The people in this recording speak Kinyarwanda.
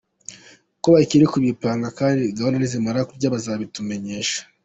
com ko bakiri kubipanga kandi ko gahunda nizimara kujya mu buryo azabitumenyesha.